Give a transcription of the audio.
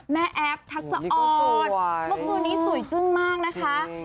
แม่แอ๊บทักษะออดโอ้นี่ก็สวยวันนี้สวยจุ้นมากนะคะจริง